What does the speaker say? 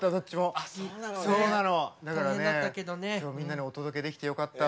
今日みんなにお届けできてよかった。